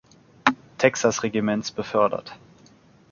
Texas-Regiments befördert.